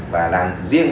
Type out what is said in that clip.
và làm riêng